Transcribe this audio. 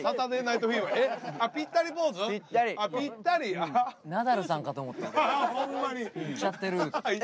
イッちゃってる！